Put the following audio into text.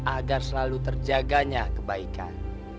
agar selalu terjaganya kebaikan